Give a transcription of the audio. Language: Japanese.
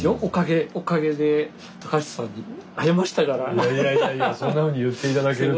いやいやいやいやそんなふうに言って頂けると。